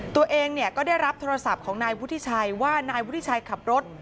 ตัวเองก็ได้รับโทรศัพท์ของนายวุฒิชัยว่านายวุฒิชัยขับรถ